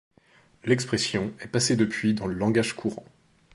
L'expression est passée depuis dans le langage courant.